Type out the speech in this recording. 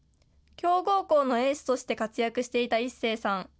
強豪校のエースとして活躍していた一生さん。